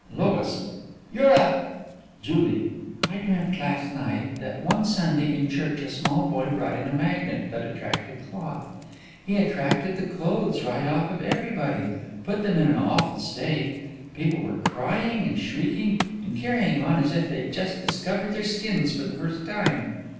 LOIS: You're a JULIE: I dreamt last night that one Sunday in church a small boy brought in a magnet that attracted cloth. He attracted the clothes right off of everybody; put them in an awful state; people were crying and shrieking and carrying on as if they'd just discovered their skins for the first time.